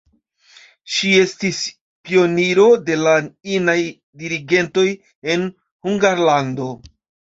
Ŝi estis pioniro de la inaj dirigentoj en Hungarlando.